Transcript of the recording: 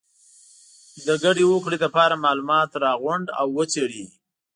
د ګډې هوکړې لپاره معلومات راغونډ او وڅېړئ.